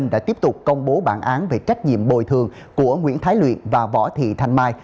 đã tiếp tục công bố bản án về trách nhiệm bồi thường của nguyễn thái luyện và võ thị thanh mai